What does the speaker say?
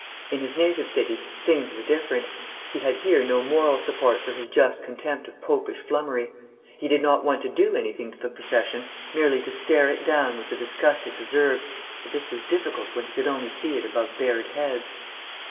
In his native city things were different. He had here no moral support for his just contempt of Popish flummery. He did not want to do anything to the procession, merely to stare it down with the disgust it deserved, but this was difficult when he could only see it above bared heads.